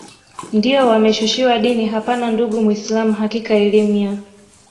ndiyo wameshushiwa dini hapana ndugu muislam hakika elimu ya